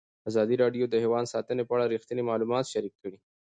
ازادي راډیو د حیوان ساتنه په اړه رښتیني معلومات شریک کړي.